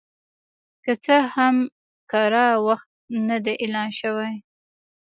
که څه هم کره وخت نه دی اعلان شوی